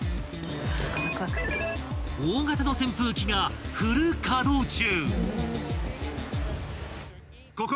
［大型の扇風機がフル稼働中］